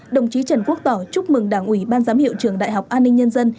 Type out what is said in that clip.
đồng chí trần quốc tỏ chúc mừng đảng ủy ban giám hiệu trường đại học an ninh nhân dân